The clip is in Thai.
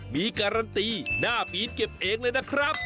มีการันตีหน้าปีนเก็บเองเลยนะครับ